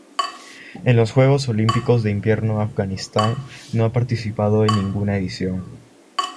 En los Juegos Olímpicos de Invierno Afganistán no ha participado en ninguna edición.